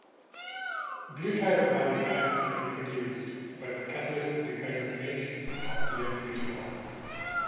Butyraldehyde can be produced by the catalytic dehydrogenation of "n"-butanol.